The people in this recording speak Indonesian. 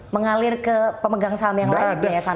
mengalir ke pemegang saham yang lain